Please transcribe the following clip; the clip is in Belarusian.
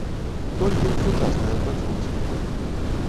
Толькі ў сучаснай апрацоўцы.